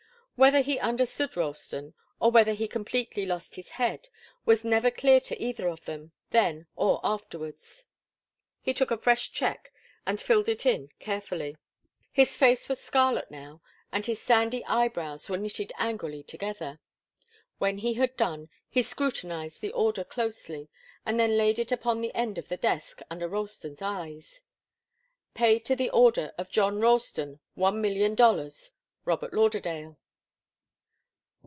Whether he understood Ralston, or whether he completely lost his head, was never clear to either of them, then, or afterwards. He took a fresh cheque and filled it in carefully. His face was scarlet now, and his sandy eyebrows were knitted angrily together. When he had done, he scrutinized the order closely, and then laid it upon the end of the desk under Ralston's eyes. 'Pay to the order of John Ralston one million dollars, Robert Lauderdale.